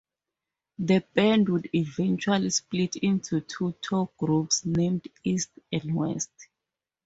The band would eventually split into two tour groups named 'East' and 'West'.